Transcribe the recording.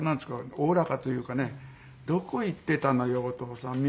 おおらかというかね「どこ行ってたのよお父さん」